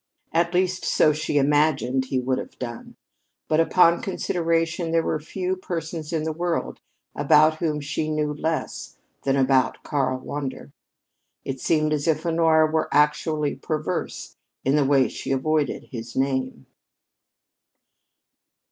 At least, so she imagined he would have done; but upon consideration there were few persons in the world about whom she knew less than about Karl Wander. It seemed as if Honora were actually perverse in the way she avoided his name.